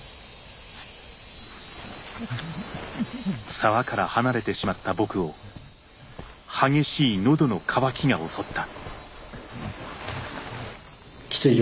沢から離れてしまった僕を激しい喉の渇きが襲った。